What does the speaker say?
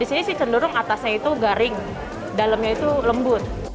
di sini sih cenderung atasnya itu garing dalamnya itu lembut